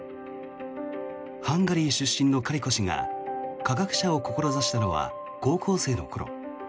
ハンガリー出身のカリコ氏が科学者を志したのは高校生の頃。